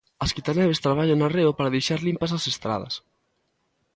As quitaneves traballaban arreo para deixar limpas as estradas.